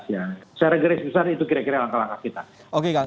secara garis besar itu kira kira langkah langkah kita